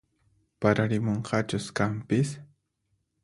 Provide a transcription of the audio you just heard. Pararimunqachus kanpis